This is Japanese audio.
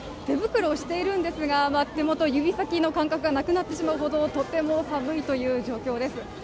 手袋をしているんですが手元、指先の感覚がなくなってしまうほどとても寒いという状況です